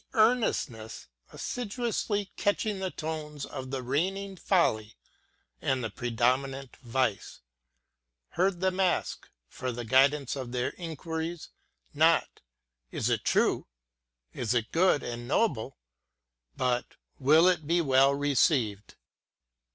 (j~> of earnestness, assiduously catching the tones of the reigning folly and the predominant vice; — heard them ask, for the guidance of their inquiries, not, Is it true? is it good and noble? but, Will it be well received?